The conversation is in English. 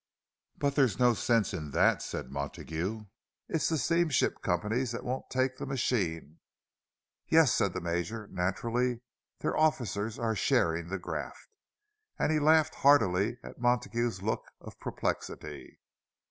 "But there's no sense in that," said Montague. "It's the steamship companies that won't take the machine." "Yes," said the Major; "naturally, their officers are sharing the graft." And he laughed heartily at Montague's look of perplexity.